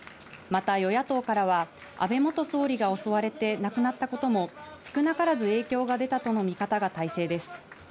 また与野党からは安倍元総理が襲われて亡くなったことも少なからず影響が出たとの見方が大勢です。